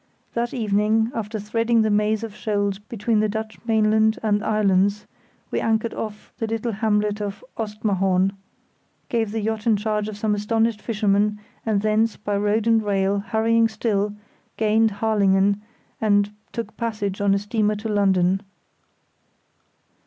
That evening, after threading the maze of shoals between the Dutch mainland and islands, we anchored off the little hamlet of Ostmahorn, [See Map A] gave the yacht in charge of some astonished fishermen, and thence by road and rail, hurrying still, gained Harlingen, and took passage on a steamer to London.